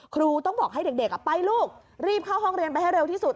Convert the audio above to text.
ครูต้องบอกให้เด็กไปลูกรีบเข้าห้องเรียนไปให้เร็วที่สุด